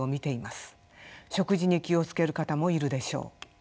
食事に気を付ける方もいるでしょう。